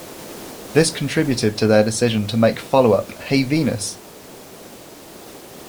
This contributed to their decision to make follow up Hey Venus!